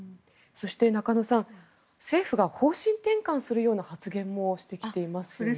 そして、中野さん政府が方針転換するような発言もしてきていますね。